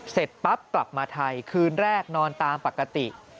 เสร็จปั๊บกลับมาไทยคืนแรกนอนตามปกติ